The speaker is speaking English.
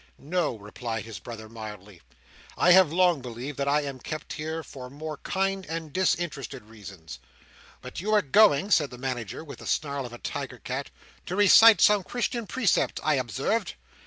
"No," replied his brother, mildly, "I have long believed that I am kept here for more kind and disinterested reasons." "But you were going," said the Manager, with the snarl of a tiger cat, "to recite some Christian precept, I observed."